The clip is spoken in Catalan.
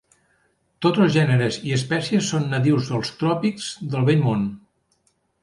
Tots els gèneres i espècies són nadius dels tròpics del Vell Món.